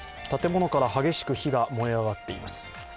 建物から激しく火が燃え上がっています。